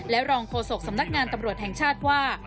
รองโฆษกสำนักงานตำรวจแห่งชาติว่า